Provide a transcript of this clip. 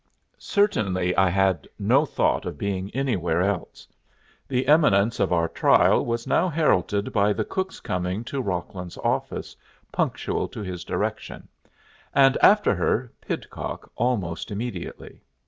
Certainly I had no thought of being anywhere else. The imminence of our trial was now heralded by the cook's coming to Rocklin's office punctual to his direction, and after her Pidcock almost immediately.